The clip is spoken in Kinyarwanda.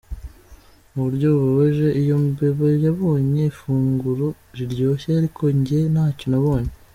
"Mu buryo bubabaje, iyo mbeba yabonye ifunguro riryoshye ariko jye ntacyo nabonye.